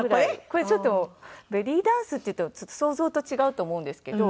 これちょっとベリーダンスっていうと想像と違うと思うんですけど。